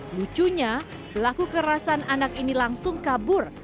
lucunya pelaku kerasan anak ini langsung kabur